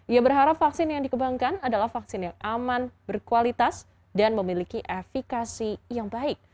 ia berharap vaksin yang dikembangkan adalah vaksin yang aman berkualitas dan memiliki efekasi yang baik